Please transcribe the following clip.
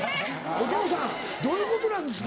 お父さんどういうことなんですか？